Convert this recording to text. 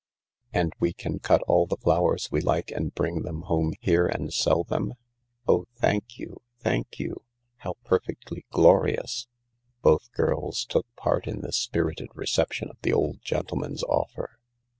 " And we can cut all the flowers we like and bring them home here and sell them ? Oh, thank you, thank you I How perfectly glorious 1 " Both girls took part in this spirited reception of the old gentleman's offer.